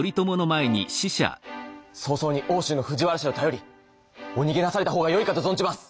早々に奥州の藤原氏を頼りお逃げなされた方がよいかと存じます。